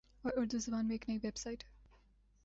اور اردو زبان میں ایک نئی ویب سائٹ